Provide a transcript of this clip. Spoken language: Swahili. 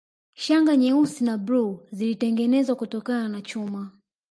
Shanga nyeusi na bluu zilitengenezwa kutokana na chuma